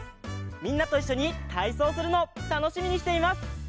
みんなといっしょにたいそうするのをたのしみにしています。